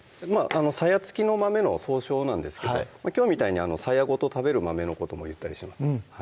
さや付きの豆の総称なんですけどきょうみたいにさやごと食べる豆のこともいったりします